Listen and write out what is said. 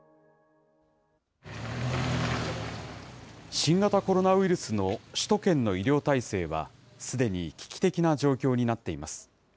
新型コロナウイルスの首都圏の医療体制は、すでに危機的な状況になっています。